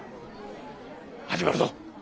始まるど！